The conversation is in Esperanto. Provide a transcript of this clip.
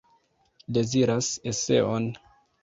Deziras eseon.